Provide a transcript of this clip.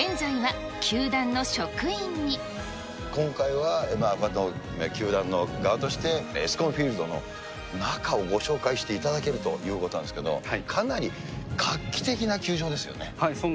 今回は、球団の側として、エスコンフィールドの中をご紹介していただけるということなんですけど、かなり画期的な球場ですよね。